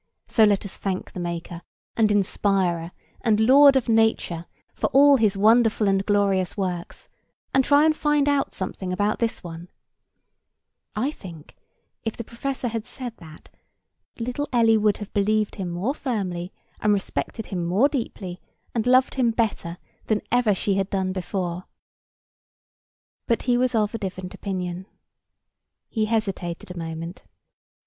So, let us thank the Maker, and Inspirer, and Lord of Nature for all His wonderful and glorious works, and try and find out something about this one;"—I think that, if the professor had said that, little Ellie would have believed him more firmly, and respected him more deeply, and loved him better, than ever she had done before. But he was of a different opinion. He hesitated a moment.